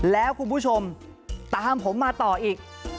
แล้วคุณผู้ชมตามผมมาต่ออีก